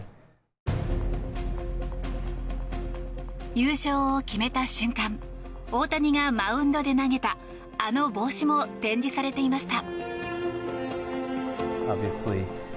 優勝を決めた瞬間大谷がマウンドで投げたあの帽子も展示されていました。